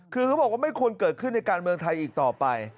คือเขาบอกว่าไม่ควรเกิดขึ้นในการเมืองไทยอีกต่อไป